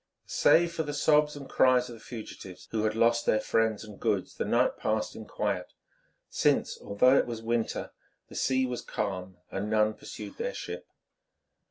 Save for the sobs and cries of the fugitives who had lost their friends and goods the night passed in quiet, since, although it was winter, the sea was calm and none pursued their ship.